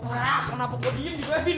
hah kenapa gue dingin gitu ya fin